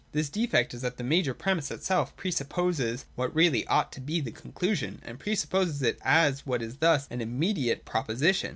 This defect is that the major premissitself pre supposes what really ought to be the conclusion, and pre supposes it as what is thus an ' immediate ' proposition.